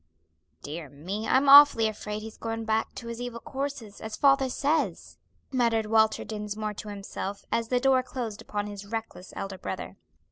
"Dear me! I'm awfully afraid he's gone back to his evil courses, as father says," muttered Walter Dinsmore to himself, as the door closed upon his reckless elder brother.